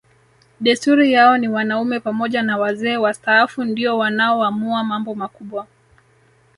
Desturi yao ni wanaume pamoja na wazee wastaafu ndio wanaoamua mambo makubwa